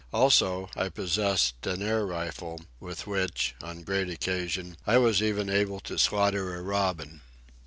Also, I possessed an air rifle, with which, on great occasion, I was even able to slaughter a robin.